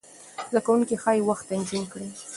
زده کوونکي ښايي وخت تنظیم کړي.